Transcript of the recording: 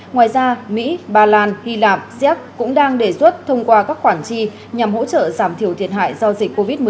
ngoài ra mỹ bà lan hy lạp xéc cũng đang đề xuất thông qua các khoản chi nhằm hỗ trợ giảm thiểu thiệt hại do dịch covid một mươi chín